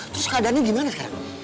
terus keadaannya gimana sekarang